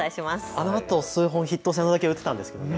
あのあと、数本、ヒットを打てたんですけどね。